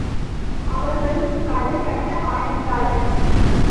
அவர்களும் கதர் கட்ட ஆரம்பித்தார்கள்.